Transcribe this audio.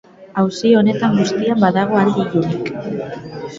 Auzi honetan guztian badago alde ilunik.